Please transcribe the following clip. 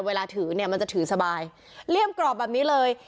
เวลาถือเนี่ยมันจะถือสบายเลี่ยมกรอบแบบนี้เลย